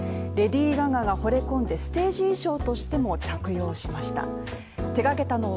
レディー・ガガがほれ込んでステージ衣装としても着用しました。